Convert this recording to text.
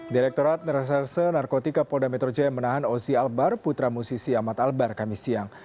direkturat reserse narkotika polda metro jaya menahan ozi albar putra musisi ahmad albar kami siang